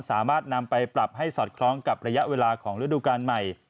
สามารถนำไปปรับให้สอดคล้องกับระยะเวลาของฤดูการใหม่